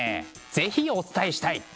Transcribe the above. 是非お伝えしたい！